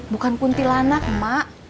bukan puntilanak emak